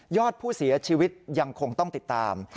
อดผู้เสียชีวิตยังคงต้องติดตาม